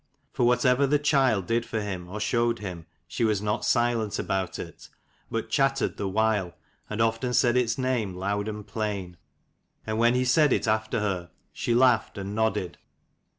For what ever the child did for him or showed him she was not silent about it, but chattered the while, and often said its name loud and plain ; and when he said it after her, she laughed and nodded.